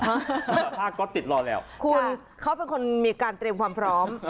แต่ถ้าก็ติดรอแล้วคุณเขาเป็นคนมีการเตรียมความพร้อม